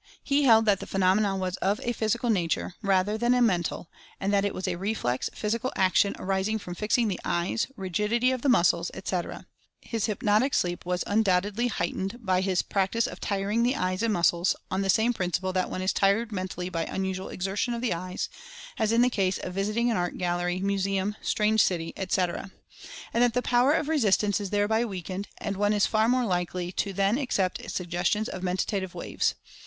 He held that the phenomena was of a physical nature, rather than a mental, and that it was a reflex physical action arising from fixing the eyes, rigidity of the muscles, etc. His The Reconciliation 43 hypnotic sleep was undoubtedly heightened by his practice of tiring the eyes and muscles, on the same principle that one is tired mentally by unusual exer cise of the eyes, as in the cases of visiting an art gal lery, museum, strange city, etc., and that the power of resistance is thereby weakened, and one is far more likely to then accept suggestions of mentative waves.